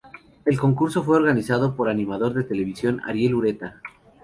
El concurso fue organizado por animador de televisión Ariel Ureta.